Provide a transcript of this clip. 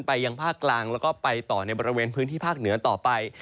ยังภาคกลางแล้วก็ไปต่อในบริเวณพื้นที่ภาคเหนือต่อไป